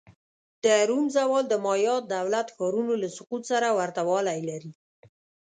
د روم زوال د مایا دولت ښارونو له سقوط سره ورته والی لري.